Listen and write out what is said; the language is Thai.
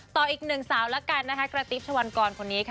ต่ออีกหนึ่งสาวล่ะกันกระติบชวันกรคนนี้